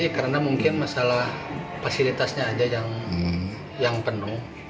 karena mungkin masalah fasilitasnya aja yang penuh